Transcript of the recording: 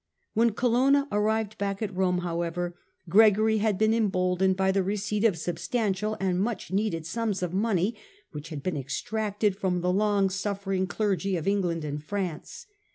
When Colonna arrived back at Rome, however, Gregory had been emboldened by the receipt of substantial and much needed sums of money, which had been extracted from the long suffering clergy of England and France.